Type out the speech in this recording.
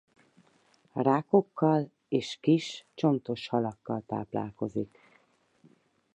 Rákokkal és kis csontos halakkal táplálkozik.